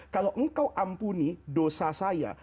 kalau engkau ampuni dosa saya